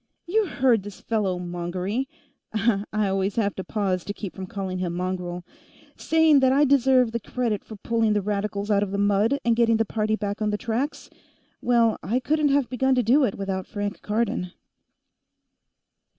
You heard this fellow Mongery I always have to pause to keep from calling him Mongrel saying that I deserved the credit for pulling the Radicals out of the mud and getting the party back on the tracks. Well, I couldn't have begun to do it without Frank Cardon."